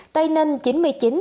tây ninh chín mươi chín